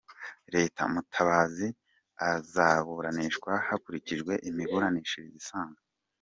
Lt. Mutabazi azaburanishwa hakurikijwe imiburanishirize isanzwe.”